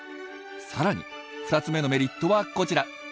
さらに２つ目のメリットはこちら。